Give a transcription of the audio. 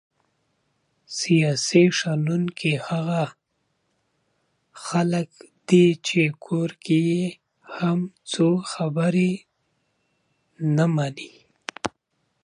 سیاسي شنونکي هغه خلک دي چې کور کې یې هم څوک خبره نه مني!